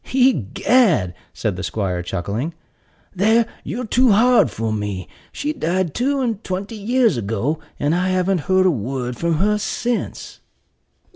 "Egad," said the 'squire, chuckling, "there you're too hard for me; for she died two and twenty years ago, and I haven't heard a word from her since."